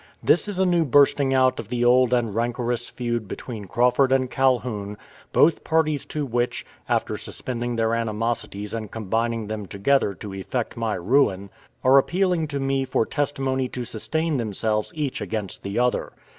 This is a new bursting out of the old and rancorous feud between Crawford and Calhoun, both parties to which, after suspending their animosities and combining together to effect my ruin, are appealing to me for testimony to sustain themselves each against the other.